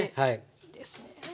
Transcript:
いいですね。